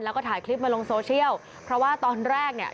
แล้วก็ถ่ายคลิปมาลงโซเชียลเพราะว่าตอนแรกเนี่ย